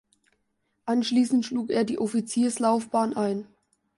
Anschließend schlug er die Offizierslaufbahn ein.